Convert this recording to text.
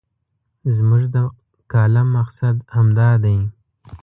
زموږ د کالم مقصد همدا دی.